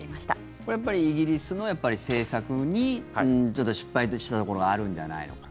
これ、やっぱりイギリスの政策にちょっと失敗したところがあるんじゃないのかと。